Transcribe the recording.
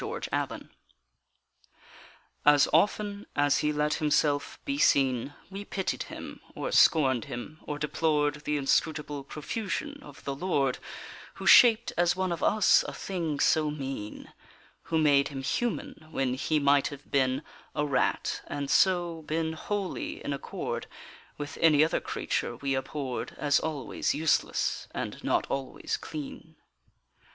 The Rat As often as he let himself be seen We pitied him, or scorned him, or deplored The inscrutable profusion of the Lord Who shaped as one of us a thing so mean Who made him human when he might have been A rat, and so been wholly in accord With any other creature we abhorred As always useless and not always clean.